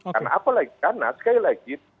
karena apalagi karena sekali lagi